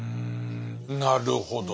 なるほど。